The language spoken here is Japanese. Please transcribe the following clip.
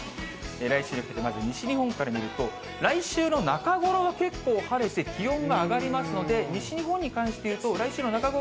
来週にかけてまず西日本から見ると、来週の中ごろは結構晴れて、気温が上がりますので、西日本に関していうと、来週の中頃、